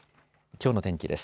きょうの天気です。